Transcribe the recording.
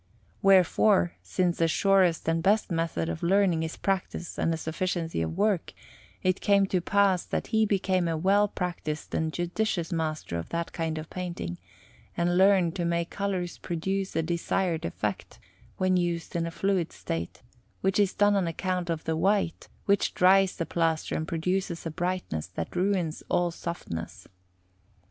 Wherefore, since the surest and best method of learning is practice and a sufficiency of work, it came to pass that he became a well practised and judicious master of that kind of painting, and learned to make colours produce the desired effect when used in a fluid state, which is done on account of the white, which dries the plaster and produces a brightness that ruins all softness.